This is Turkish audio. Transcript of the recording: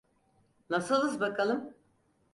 Nasılız bakalım?